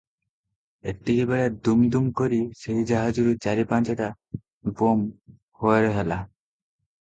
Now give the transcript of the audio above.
ଏତିକିବେଳେ ଦୁମ୍ ଦୁମ୍ କରି ସେଇ ଜାହାଜରୁ ଚାରି ପାଞ୍ଚଟା ବୋମ୍ ଫଏର ହେଲା ।